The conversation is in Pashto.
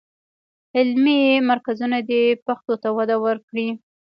علمي مرکزونه دې پښتو ته وده ورکړي.